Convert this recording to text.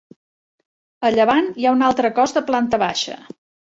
A llevant hi ha un altre cos de planta baixa.